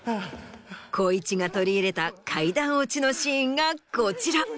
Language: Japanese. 光一が取り入れた階段落ちのシーンがこちら。